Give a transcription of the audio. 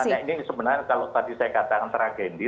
makanya ini sebenarnya kalau tadi saya katakan tragedi